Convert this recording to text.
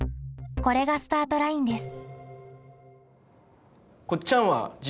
これがスタートラインです。